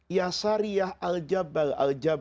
ya syariah al jabbal al jabbal